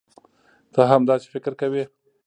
تۀ هم داسې فکر کوې؟